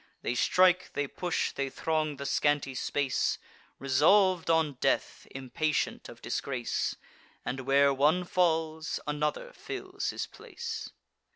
They strike, they push, they throng the scanty space, Resolv'd on death, impatient of disgrace; And, where one falls, another fills his place.